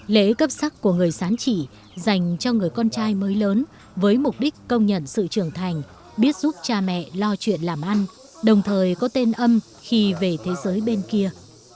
lễ cấp sắc của người sán chỉ dành cho người con trai mới lớn với mục đích công nhận sự trưởng thành biết giúp cha mẹ lo chuyện làm ăn đồng thời có tên âm khi về thế giới bên kia